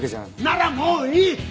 ならもういい！